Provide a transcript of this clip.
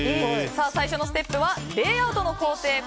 最初のステップはレイアウトの工程。